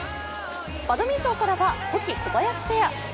バドミントンからは保木・小林ペア。